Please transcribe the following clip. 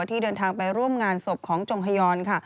ที่เดินทางไปร่วมงานศพของจงฮยอนค่ะ